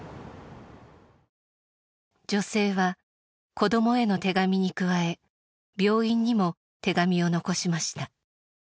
女性は子どもへの手紙に加え病院にも手紙を残しました。